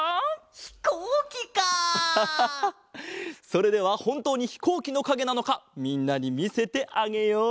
それではほんとうにひこうきのかげなのかみんなにみせてあげよう。